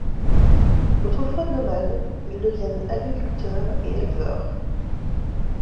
Autrefois nomades, ils deviennent agriculteurs et éleveurs.